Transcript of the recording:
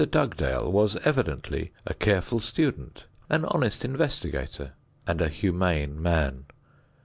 Dugdale was evidently a careful student, an honest investigator and a humane man.